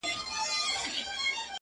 سترگي مي ړندې سي رانه وركه سې،